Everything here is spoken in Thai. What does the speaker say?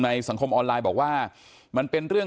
ในสังคมออนไลน์บอกว่า